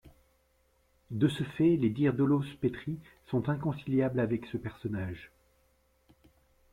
De ce fait, les dires d'Olaus Petri sont inconciliables avec ce personnage.